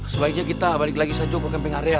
sebaiknya kita balik lagi saja ke camping area